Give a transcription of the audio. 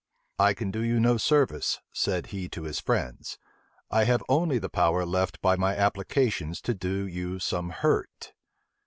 "I can do you no service," said he to his friends; "I have only the power left by my applications to do you some hurt."